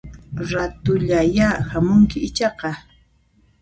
Ratullayá hamunki ichaqa